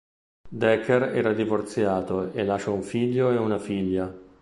Dekker era divorziato e lascia un figlio e una figlia.